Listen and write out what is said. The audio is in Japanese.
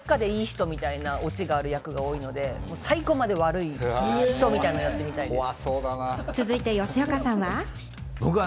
でもどこかでいい人みたいなオチがある役が多いので、最後まで悪い人みたいなのをやってみたいですね。